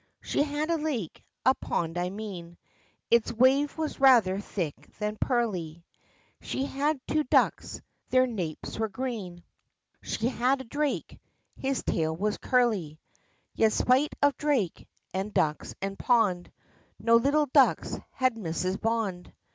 She had a lake a pond, I mean Its wave was rather thick than pearly She had two ducks, their napes were green She had a drake, his tail was curly, Yet 'spite of drake, and ducks, and pond, No little ducks had Mrs. Bond!